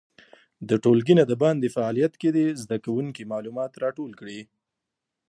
د ټولګي نه د باندې فعالیت کې دې زده کوونکي معلومات راټول کړي.